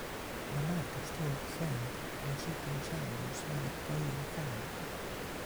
La marca estuvo vigente en los últimos años de la dictadura de Franco.